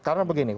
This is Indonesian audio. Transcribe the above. iya karena begini